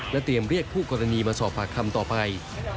เตรียมเรียกคู่กรณีมาสอบปากคำต่อไป